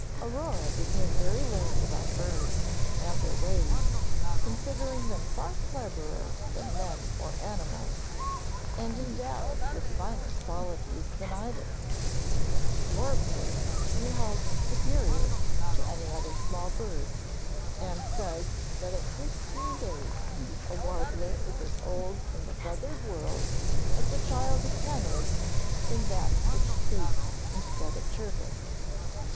Aurore became very learned about birds and their ways, considering them far cleverer than men or animals, and endowed with finer qualities than either. Warblers she held superior to any other small bird, and says that at fifteen days a warbler is as old in the feathered world as a child of ten is in that which speaks instead of chirping.